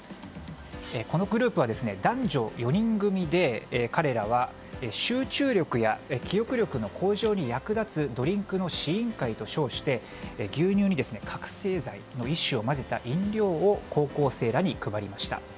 このグループは男女４人組で彼らは集中力や記憶力の向上に役立つドリンクの試飲会と称して牛乳に覚醒剤の一種を混ぜた飲料を高校生らに配りました。